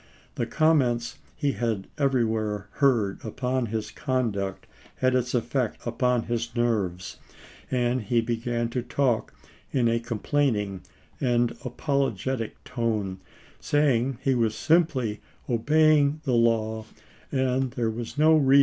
The comments he everywhere heard upon his conduct had its effect upon his nerves, and he began to talk in a complaining and apologetic tone, saying he was simply obeying the law and there was no rea 394 ABRAHAM LINCOLN ch. xiii.